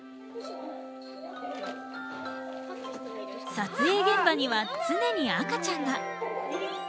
撮影現場には常に赤ちゃんが。